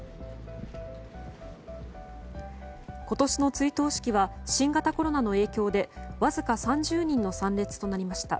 今年の追悼式は新型コロナの影響でわずか３０人の参列となりました。